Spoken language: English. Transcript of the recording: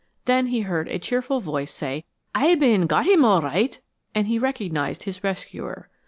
Then he heard a cheerful voice say, "Aye bane got him all right," and he recognized his rescuer.